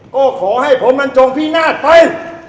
ก็ขอให้ผมมันจงพินาศไป